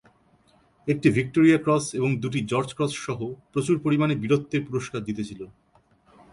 একটি Victoria Cross এবং দুটি জর্জ ক্রস সহ প্রচুর পরিমাণে বীরত্বের পুরস্কার জিতেছিল।